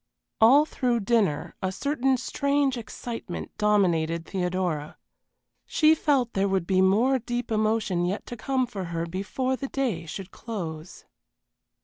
All through dinner a certain strange excitement dominated Theodora. She felt there would be more deep emotion yet to come for her before the day should close.